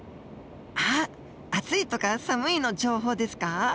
あっ「暑い」とか「寒い」の情報ですか？